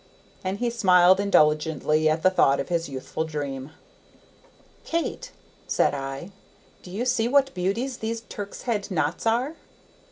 And he smiled indulgently at the thought of his youthful dream. "Kate," said I, "do you see what beauties these Turk's head knots are?"